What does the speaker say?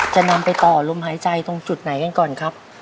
จะนำไปต่อลมหายใจตรงจุดไหนกันก่อนครับ